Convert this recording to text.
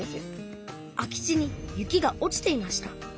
空き地に雪が落ちていました。